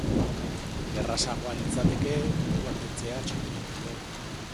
Errazagoa litzateke burua kentzea txapela baino.